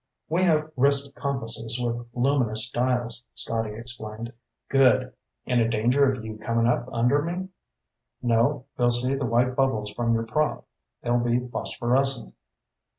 "We have wrist compasses with luminous dials," Scotty explained. "Good. Any danger of you comin' up under me?" "No. We'll see the white bubbles from your prop. They'll be phosphorescent."